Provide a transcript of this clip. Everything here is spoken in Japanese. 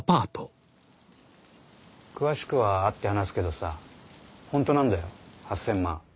詳しくは会って話すけどさほんとなんだよ８，０００万。